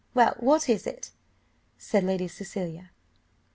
Well, what is it?" said Lady Cecilia.